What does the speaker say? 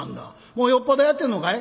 もうよっぽどやってんのかい？」。